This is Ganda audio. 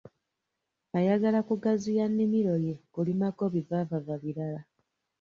Ayagala kugaziya nnimiro ye kulimako bivaavava birala.